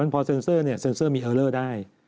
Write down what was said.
พอเซ็นเซอร์เซ็นเซอร์มีเอลเลอร์ได้